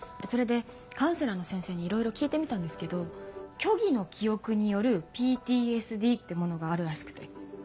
それでカウンセラーの先生にいろいろ聞いてみたんですけど「虚偽の記憶によるＰＴＳＤ」ってものがあるらしくて。